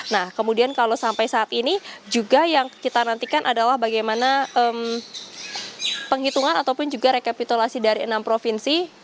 nah kemudian kalau sampai saat ini juga yang kita nantikan adalah bagaimana penghitungan ataupun juga rekapitulasi dari enam provinsi